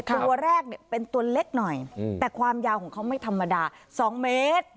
ตัวแรกเนี่ยเป็นตัวเล็กหน่อยแต่ความยาวของเขาไม่ธรรมดา๒เมตร